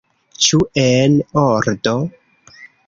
Ĉu en ordo?